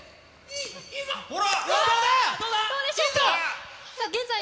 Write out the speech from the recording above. ほら！